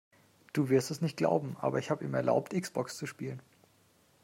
Du wirst es nicht glauben, aber ich habe ihm erlaubt, X-Box zu spielen.